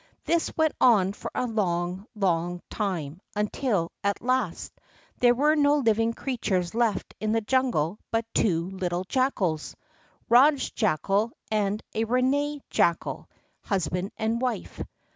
This went on for a long, long time until, at last, there were no living creatures left in the jungle but two little jackals—a Rajah Jackal and a Ranee Jackal—husband and wife.